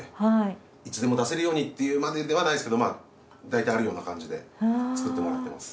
いつでも出せるようにっていうまでではないですけどだいたいあるような感じで作ってもらってます。